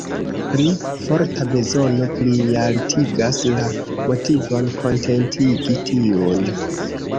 Pli forta bezono plialtigas la motivon kontentigi tiun.